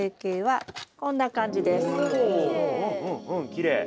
きれい！